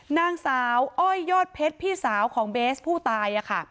นางสาวอ้อยยอดเพชรพี่สาวของเบสผู้ตาย